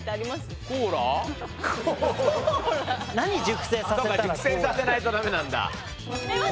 熟成させないとダメなんだ。